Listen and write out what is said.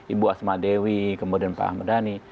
ibu asma dewi kemudian pak hamadani